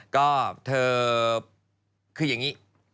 ก็เธอคืออย่างนี้